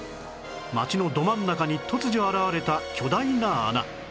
街のど真ん中に突如現れた巨大な穴